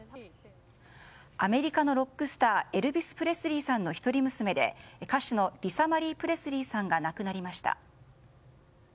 アメリカのロックスターエルヴィス・プレスリーさんの一人娘で歌手のリサ・マリー・プレスリーさんが亡くなりました。